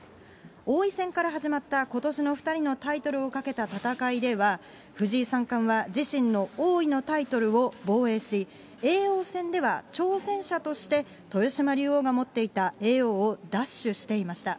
王位戦から始まったことしの２人のタイトルをかけた戦いでは、藤井三冠は自身の王位のタイトルを防衛し、叡王戦では挑戦者として豊島竜王が持っていた叡王を奪取していました。